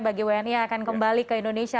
bagi wni yang akan kembali ke indonesia